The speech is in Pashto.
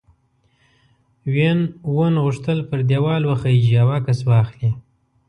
وین وون غوښتل پر دیوال وخیژي او عکس واخلي.